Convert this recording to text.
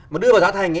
mà đưa vào giá thành ấy